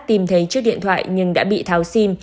tìm thấy chiếc điện thoại nhưng đã bị tháo sim